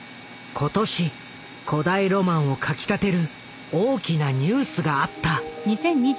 今年古代ロマンをかきたてる大きなニュースがあった。